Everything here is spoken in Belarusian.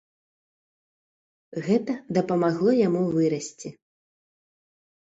Гэта дапамагло яму вырасці.